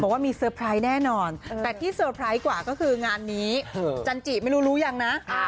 บอกว่ามีแน่นอนแต่ที่กว่าก็คืองานนี้จันจิไม่รู้รู้ยังนะค่ะ